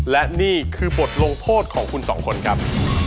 และนี่คือบทลงโทษของคุณสองคนครับ